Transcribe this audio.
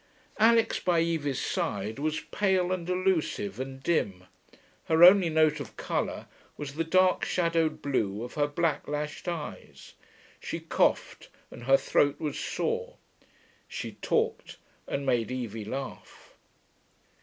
Alix by Evie's side was pale and elusive and dim; her only note of colour was the dark, shadowed blue of her black lashed eyes. She coughed, and her throat was sore. She talked, and made Evie laugh.